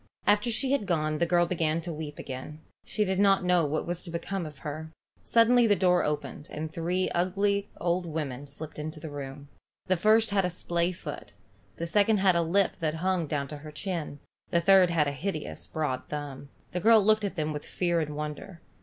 After she had gone the girl began to weep again. She did not know what was to become of her. Suddenly the door opened, and three ugly old women slipped into the room. The first had a splayfoot. The second had a lip that hung down on her chin. The third had a hideous broad thumb. The girl looked at them with fear and wonder.